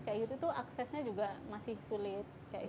kayak gitu tuh aksesnya juga masih sulit